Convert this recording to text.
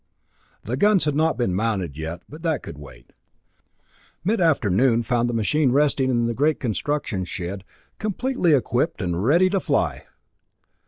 The guns had not been mounted as yet, but that could wait. Mid afternoon found the machine resting in the great construction shed, completely equipped and ready to fly!